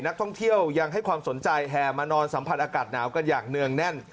นักท่องเที่ยวยังให้ความสนใจแห่มานอนสัมผัสอากาศหนาวกันอย่างเนื่องแน่น